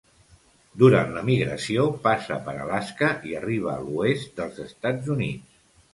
Durant la migració passa per Alaska i arriba a l'oest dels Estats Units.